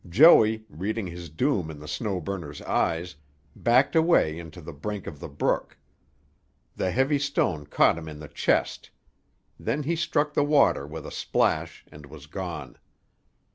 Joey, reading his doom in the Snow Burner's eyes, backed away into the brink of the brook. The heavy stone caught him in the chest. Then he struck the water with a splash and was gone.